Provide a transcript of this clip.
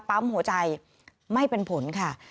ปั๊มหัวใจไม่เป็นผลค่ะ